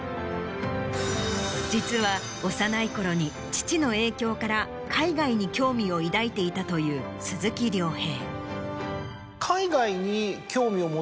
実は幼い頃に父の影響から海外に興味を抱いていたという鈴木亮平。